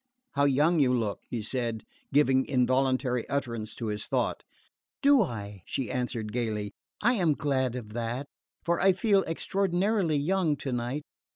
"How young you look!" he said, giving involuntary utterance to his thought. "Do I?" she answered gaily. "I am glad of that, for I feel extraordinarily young tonight.